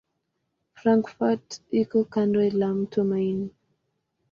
Frankfurt iko kando la mto Main.